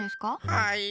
はい。